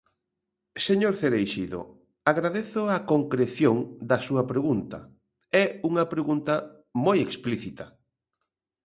Señor Cereixido, agradezo a concreción da súa pregunta, é unha pregunta moi explícita.